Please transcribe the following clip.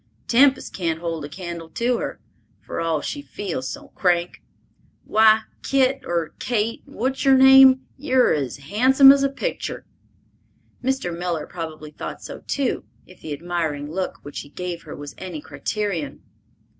Tempest can't hold a candle to her, for all she feels so crank. Why, Kit, or Kate, what's yer name? You're as handsome as a pictur!" Mr. Miller probably thought so too, if the admiring look which he gave her was any criterion.